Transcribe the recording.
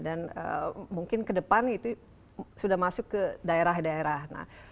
dan mungkin ke depan itu sudah masuk ke daerah daerah